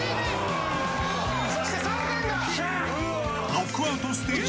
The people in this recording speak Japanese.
ノックアウトステージ